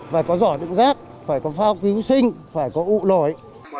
phải có giỏ đựng rác phải có phao cứu sinh phải có ụ nổi